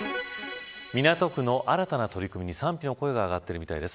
港区の新たな取り組みに賛否の声が上がっているみたいです。